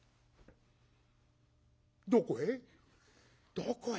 「どこへ？」。